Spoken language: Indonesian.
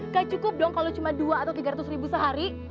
gak cukup dong kalau cuma dua atau tiga ratus ribu sehari